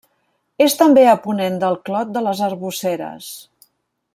És també a ponent del Clot de les Arboceres.